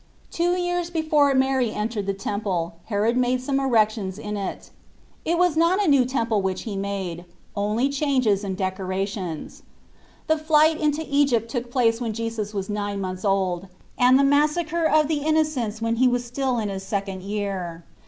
Two years before Mary entered the Temple, Herod made some erections in it. It was not a new Temple which he made, only changes and decorations. The flight into Egypt took place when Jesus was nine months old, and the Massacre of the Innocents when He was still in His second year.